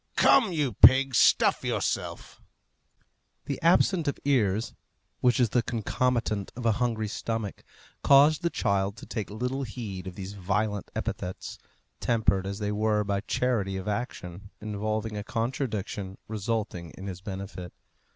Come, you pig, stuff yourself!" The absence of ears, which is the concomitant of a hungry stomach, caused the child to take little heed of these violent epithets, tempered as they were by charity of action involving a contradiction resulting in his benefit.